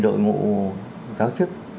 đội ngũ giáo chức